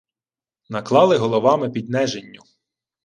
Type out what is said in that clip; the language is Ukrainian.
— Наклали головами під Нежинню!